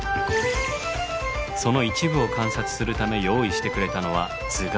その一部を観察するため用意してくれたのは頭蓋骨。